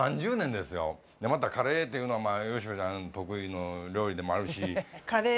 でまたカレーっていうのは佳子ちゃん得意の料理でもあるしカレー